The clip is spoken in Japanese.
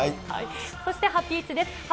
そしてハピイチです。